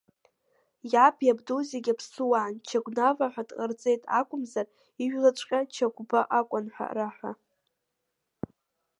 Иаб, иабду зегьы аԥсуаан, Чагәнава ҳәа дҟарҵеит акәымзар ижәлаҵәҟьа Чагәба акәын ҳәа раҳәа…